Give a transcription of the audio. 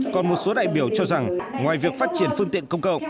còn một số đại biểu cho rằng ngoài việc phát triển phương tiện công cộng